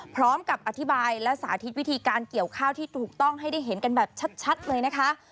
พร้อมกับอธิบายและสาธิตวิธีการเกี่ยวข้าวที่ถูกต้องให้ได้เห็นกันแบบชัดเลยนะคะ